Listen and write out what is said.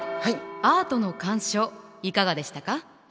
アートの鑑賞いかがでしたか？